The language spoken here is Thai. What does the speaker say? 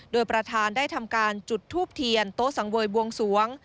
โดยประธานได้ทำการจุดทูบเทียนโต๊ะสังเวยบวงสวง